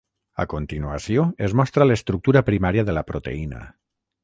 A continuació, es mostra l’estructura primària de la proteïna.